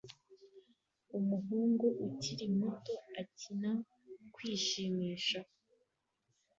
Umuhungu ukiri muto akina kwishimisha